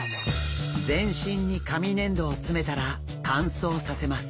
全身に紙粘土を詰めたら乾燥させます。